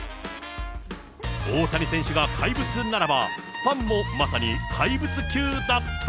大谷選手が怪物ならば、ファンもまさに怪物級だった。